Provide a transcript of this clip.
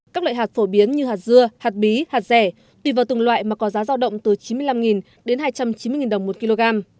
các loại hạt phổ biến như hạt dưa hạt bí hạt rẻ tùy vào từng loại mà có giá giao động từ chín mươi năm đến hai trăm chín mươi đồng một kg